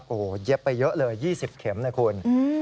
โอ้โหเย็บไปเยอะเลย๒๐เข็มนะคุณ